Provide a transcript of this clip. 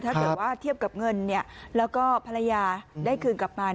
ถ้าเกิดว่าเทียบกับเงินแล้วก็ภรรยาได้คืนกลับมา